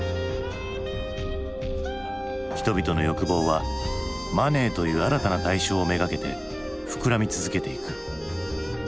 人々の欲望はマネーという新たな対象をめがけて膨らみ続けてゆく。